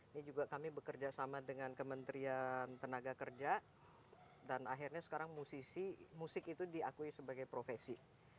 ini juga kami bekerja sama dengan kementerian tenaga kerja dan akhirnya sekarang musisi musik itu diakui sebagai profesi